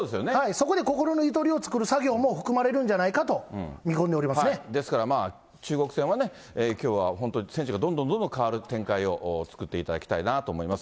そこで心のゆとりを作る作業も含まれるんじゃないかと見込んですからまあ、中国戦は、きょうは本当に選手がどんどんどんどん代わる展開を作っていただきたいなと思います。